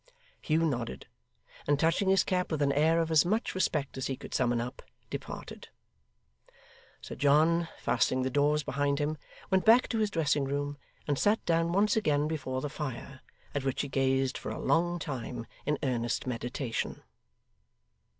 Hugh nodded, and touching his cap with an air of as much respect as he could summon up, departed. Sir John, fastening the doors behind him, went back to his dressing room, and sat down once again before the fire, at which he gazed for a long time, in earnest meditation.